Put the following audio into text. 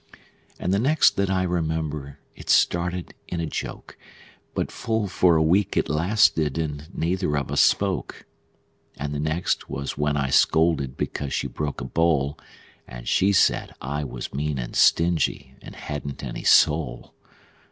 And the next that I remember, it started in a joke; But full for a week it lasted, and neither of us spoke. And the next was when I scolded because she broke a bowl; And she said I was mean and stingy, and hadn't any soul.